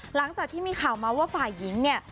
หลังจากที่มีข่าวมาว่าฝ่ายหญิงเนี่ย